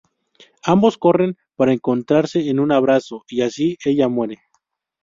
Ambos corren para encontrarse en un abrazo y así ella muere.